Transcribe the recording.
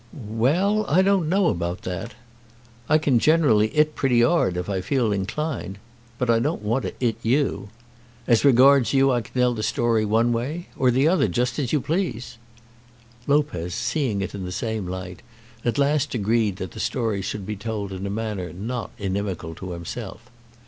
"Well; I don't know about that. I can generally 'it pretty 'ard if I feel inclined. But I don't want to 'it you. As regards you I can tell the story one way, or the other, just as you please." Lopez, seeing it in the same light, at last agreed that the story should be told in a manner not inimical to himself.